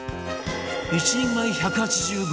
１人前１８５円